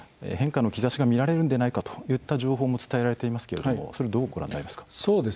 変化の兆しが見られるのではないかといった情報も伝えられていますけれどもそれどうご覧になりますか？